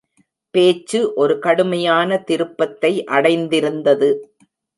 பேச்சு ஒரு கடுமையான திருப்பத்தை அடைந்திருந்தது.